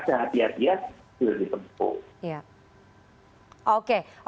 jahat jahat dia sudah ditemukan